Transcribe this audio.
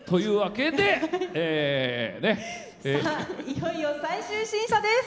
いよいよ最終審査です。